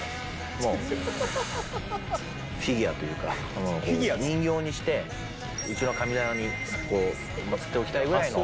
もう、フィギュアというか、人形にして、うちの神棚に祭っておきたいぐらいの。